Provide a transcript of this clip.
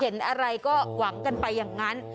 เห็นอะไรก็หวังกันไปอย่างนั้น